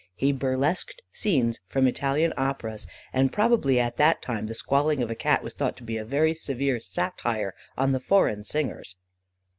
He burlesqued scenes from Italian operas, and probably at that time the squalling of a Cat was thought to be a very severe satire on the foreign singers.